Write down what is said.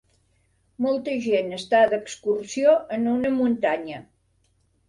Molta gent està d'excursió en una muntanya.